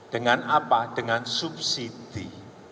dengan apa dengan subsidi